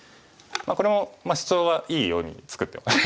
これもシチョウはいいように作ってます。